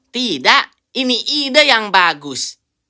tidak ini ide yang bagus